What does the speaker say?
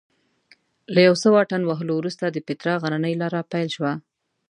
له یو څه واټن وهلو وروسته د پیترا غرنۍ لاره پیل شوه.